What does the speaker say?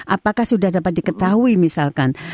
apakah sudah dapat diketahui misalkan